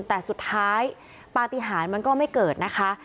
แต่สุดท้ายปฏิหารมันก็ไม่เกิดนะคะ